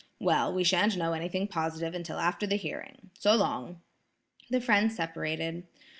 Well, we shan't know anything positive until after the hearing. So long." The friends separated.